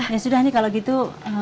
ya sudah nih kalau gitu